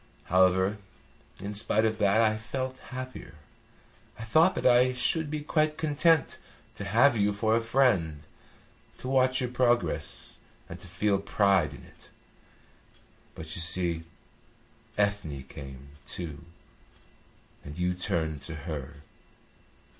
However, in spite of that I felt happier. I thought that I should be quite content to have you for a friend, to watch your progress, and to feel pride in it. But you see Ethne came, too, and you turned to her.